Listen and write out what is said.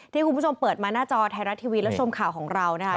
ที่คุณผู้ชมเปิดมาหน้าจอไทยรัฐทีวีและชมข่าวของเรานะครับ